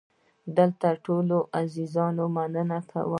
دلته له ټولو عزیزانو مننه کوم.